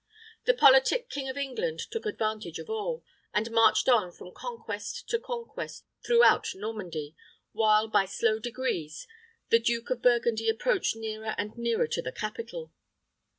The politic King of England took advantage of all, and marched on from conquest to conquest throughout Normandy, while, by slow degrees, the Duke of Burgundy approached nearer and nearer to the capital.